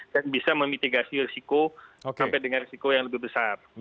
dan bisa memitigasi risiko sampai dengan risiko yang lebih besar